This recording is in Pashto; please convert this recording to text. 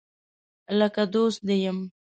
لکه دوست دي یم